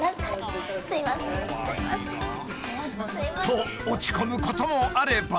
［と落ち込むこともあれば］